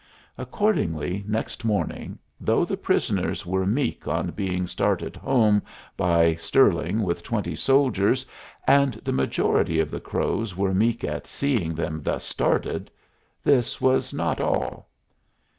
Accordingly, next morning, though the prisoners were meek on being started home by Stirling with twenty soldiers, and the majority of the Crows were meek at seeing them thus started, this was not all.